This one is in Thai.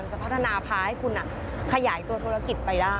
จะพัฒนาพาให้คุณขยายตัวธุรกิจไปได้